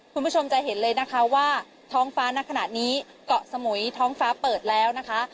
คุณผู้ชมจะเห็นเลยนะคะว่าท้องฟ้าในขณะนี้เกาะสมุยท้องฟ้าเปิดแล้วนะคะ